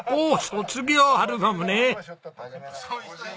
卒業アルバムね。